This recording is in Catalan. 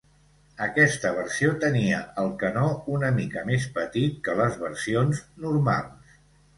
Aquesta versió tenia el canó una mica més petit que les versions normals.